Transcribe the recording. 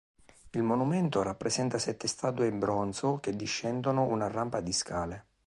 Il monumento rappresenta sette statue in bronzo che discendono una rampa di scale.